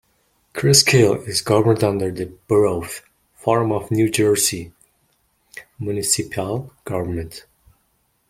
Cresskill is governed under the Borough form of New Jersey municipal government.